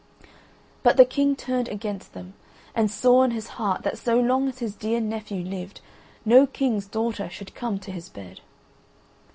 But the King turned against them and swore in his heart that so long as his dear nephew lived no king's daughter should come to his bed.